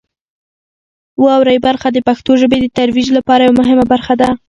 واورئ برخه د پښتو ژبې د ترویج لپاره یوه مهمه برخه ده.